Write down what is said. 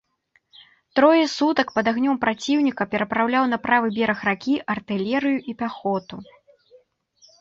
Трое сутак пад агнём праціўніка перапраўляў на правы бераг ракі артылерыю і пяхоту.